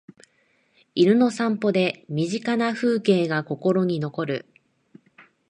犬の散歩で身近な風景が心に残る